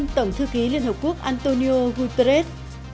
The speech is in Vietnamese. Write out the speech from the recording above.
thư ký liên hợp quốc antonio guterres